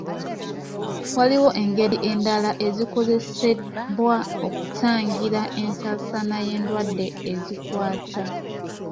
Waliwo engeri endala ezikozesebwa okutangira ensaasaana y'endwadde ezikwata.